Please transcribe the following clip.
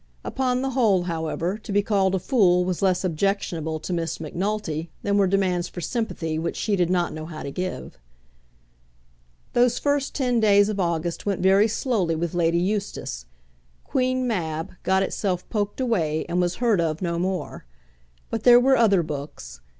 Upon the whole, however, to be called a fool was less objectionable to Miss Macnulty than were demands for sympathy which she did not know how to give. Those first ten days of August went very slowly with Lady Eustace. "Queen Mab" got itself poked away, and was heard of no more. But there were other books.